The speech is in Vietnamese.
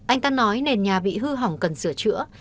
anh ta nói nền nhà bị hư hỏng cần sửa chữa